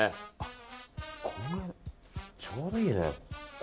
ちょうどいいね。